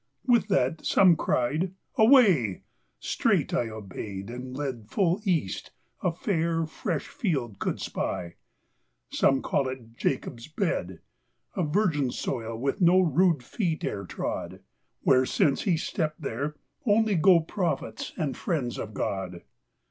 4 With that some cried, "Away"; straight I Obeyed, and led Full East, a fair, fresh field could spy; Some called it Jacob's Bed ; A virgin soil, which no Rude feet e'er trod ; Where (since He stept there,) only go Prophets and friends of God.